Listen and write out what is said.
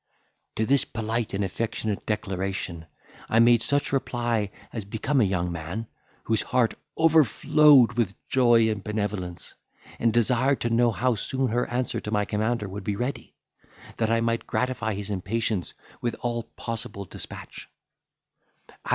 To this polite and affectionate declaration, I made such a reply as became a young man, whose heart overflowed with joy and benevolence, and desired to know how soon her answer to my commander would be ready, that I might gratify his impatience with all possible despatch.